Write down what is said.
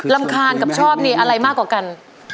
รำคาญกับชอบนี่อะไรมากกว่ากัน